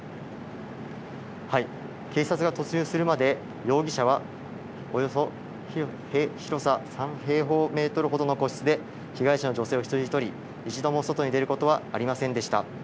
警察が突入するまで、容疑者は、およそ広さ３平方メートルほどの個室で、被害者の女性を人質に取り、一度も外に出ることはありませんでした。